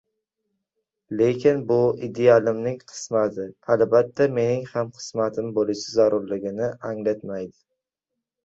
Lekin bu idealimning qismati, albatta, mening ham qismatim bo‘lishi zarurligini anglatmaydi.